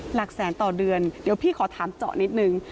หลักแสนต่อเดือนเดี๋ยวพี่ขอถามเจาะนิดนึง